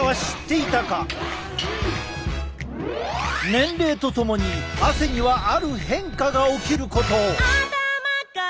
年齢とともに汗にはある変化が起きることを。